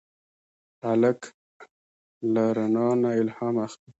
هلک له رڼا نه الهام اخلي.